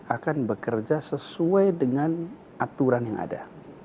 akan bekerja sesuai dengan aturan yang ada